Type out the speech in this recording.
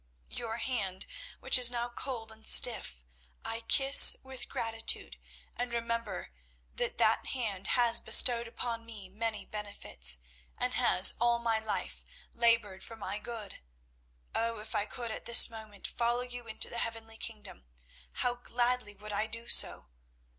Your hand, which is now cold and stiff, I kiss with gratitude, and remember that that hand has bestowed upon me many benefits, and has all my life laboured for my good. Oh, if I could at this moment follow you into the heavenly kingdom, how gladly would I do so.